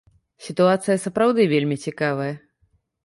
Сітуацыя сапраўды вельмі цікавая.